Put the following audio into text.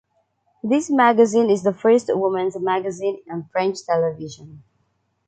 This magazine is the first woman’s magazine on French television.